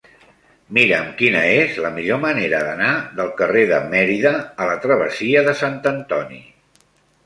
Mira'm quina és la millor manera d'anar del carrer de Mérida a la travessia de Sant Antoni.